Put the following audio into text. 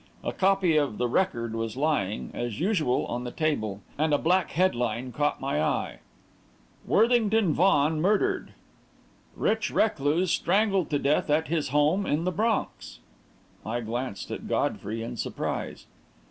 A copy of the Record was lying, as usual, on the table, and a black headline caught my eye: WORTHINGTON VAUGHAN MURDERED RICH RECLUSE STRANGLED TO DEATH AT HIS HOME IN THE BRONX I glanced at Godfrey in surprise.